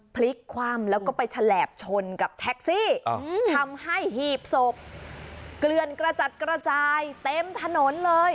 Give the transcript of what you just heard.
พลิกคว่ำแล้วก็ไปฉลบชนกับแท็กซี่ทำให้หีบศพเกลือนกระจัดกระจายเต็มถนนเลย